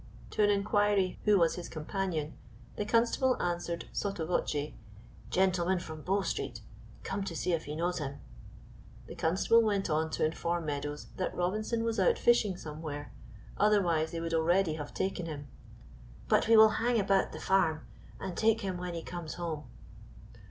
To an inquiry who was his companion, the constable answered sotto voce, "Gentleman from Bow Street, come to see if he knows him." The constable went on to inform Meadows that Robinson was out fishing somewhere, otherwise they would already have taken him; "but we will hang about the farm, and take him when he comes home."